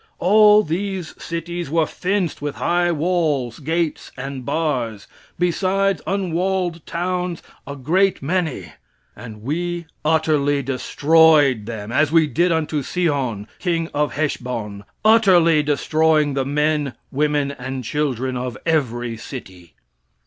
All these cities were fenced with high walls, gates and bars; besides unwalled towns a great many. And we utterly destroyed them, as we did unto Sihon, king of Heshbon, utterly destroying the men, women, and children of every city."